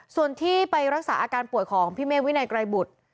ส่วนที่ไปรักษาอาการป่วยของพี่เมฆวินัยไกรบุตร